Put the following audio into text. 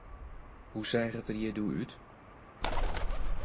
Hoe seach it der hjir doe út?